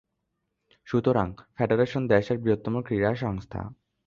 সুতরাং ফেডারেশন দেশের বৃহত্তম ক্রীড়া সংস্থা।